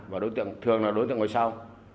và thường là đối tượng ngồi sau